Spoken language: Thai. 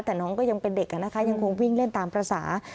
แต่น้องก็ยังเป็นเด็กนะคะยังคงวิ่งเล่นตามภาษา